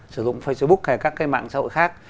sử dụng facebook hay các cái mạng xã hội khác